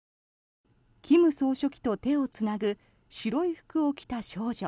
金総書記と手をつなぐ白い服を着た少女。